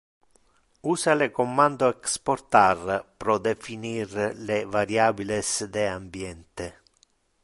Usa le commando exportar pro definir le variabiles de ambiente.